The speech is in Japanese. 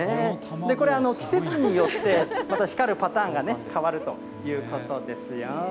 これ、季節によって、また光るパターンが変わるということですよ。